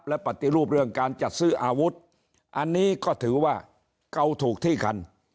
และปฏิรูปเรื่องการจัดซื้ออาวุธอันนี้ก็ถือว่าเกาถูกที่คัน